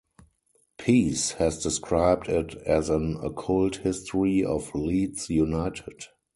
Peace has described it as an "occult history of Leeds United".